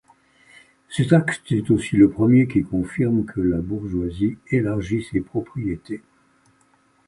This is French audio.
Cet acte est aussi le premier qui confirme que la bourgeoisie élargit ses propriétés.